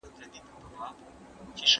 تش کوهي ته په اوبو پسي لوېدلی